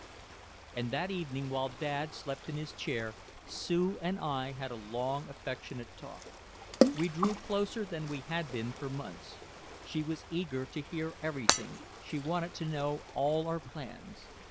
And that evening, while Dad slept in his chair, Sue and I had a long affectionate talk. We drew closer than we had been for months. She was eager to hear everything, she wanted to know all our plans.